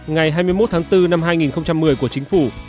ngày hai mươi một tháng bốn năm hai nghìn một mươi của chính phủ